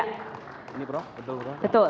ini prof betul pak